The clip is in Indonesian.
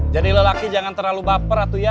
jadi lelaki jangan terlalu baper atuyat